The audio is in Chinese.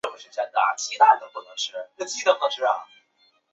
毛蕊三角车为堇菜科三角车属下的一个种。